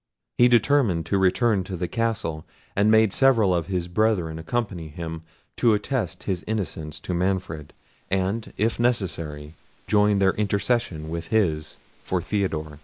He determined to return to the castle, and made several of his brethren accompany him to attest his innocence to Manfred, and, if necessary, join their intercession with his for Theodore.